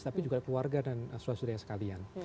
tapi juga keluarga dan sosial media sekalian